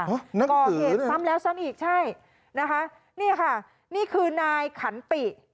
ก่อเหตุซ้ำแล้วซ้ำอีกใช่นะคะนี่ค่ะนี่คือนายขันติ